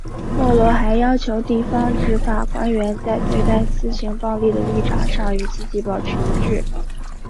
莫罗还要求地方执法官员在对待私刑暴力的立场上与自己保持一致。